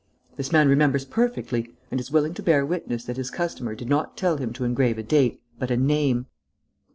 This man remembers perfectly and is willing to bear witness that his customer did not tell him to engrave a date, but a name.